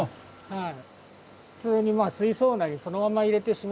はい。